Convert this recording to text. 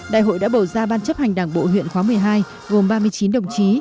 đại hội đã bầu ra ban chấp hành đảng bộ huyện khóa một mươi hai gồm ba mươi chín đồng chí